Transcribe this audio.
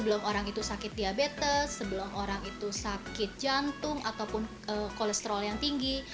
sebelum orang itu sakit diabetes sebelum orang itu sakit jantung ataupun kolesterol yang tinggi